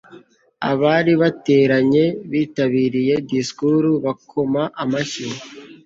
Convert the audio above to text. abari bateranye bitabiriye disikuru bakoma amashyi